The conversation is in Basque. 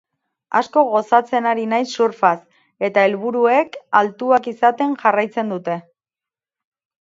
Asko gozatzen ari naiz surfaz eta helburuek altuak izaten jarraitzen dute.